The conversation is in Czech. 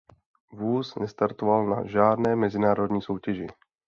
Vůz nestartoval na žádné mezinárodní soutěži.